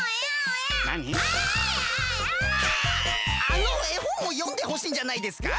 あのえほんをよんでほしいんじゃないですか？